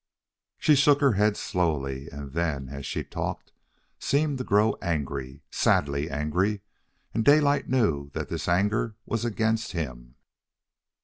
She shook her head slowly, and then, as she talked, seemed to grow angry, sadly angry; and Daylight knew that this anger was against him.